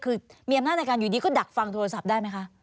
คือมีอำนาจในการอยู่ดีก็ดักฟังโทรศัพท์ได้ไหมคะ